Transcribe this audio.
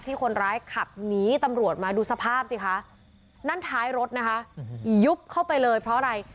คนร้ายขับหนีตำรวจมาดูสภาพสิคะนั่นท้ายรถนะคะยุบเข้าไปเลยเพราะอะไร